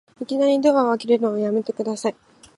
いきなりドア開けるのやめてください